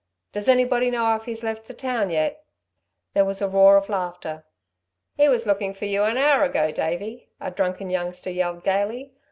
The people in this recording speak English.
"Does anybody know if he's left the town yet?" There was a roar of laughter. "He was looking for you an hour ago, Davey," a drunken youngster yelled gaily.